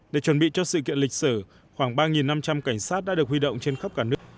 để chuẩn bị cho sự kiện lịch sử khoảng ba năm trăm linh cảnh sát đã được huy động trên khắp cả nước